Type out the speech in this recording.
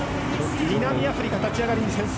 南アフリカ、立ち上がりに先制。